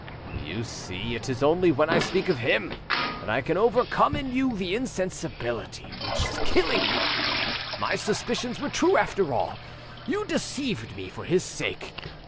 "You see it is only when I speak of him that I can overcome in you the insensibility which is killing me. My suspicions were true after all: you deceived me for his sake.